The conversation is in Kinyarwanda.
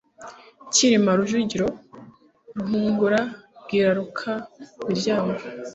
CYILIMA RUJUGIRA Ruhungura-birwa, Ruhaka-miryango,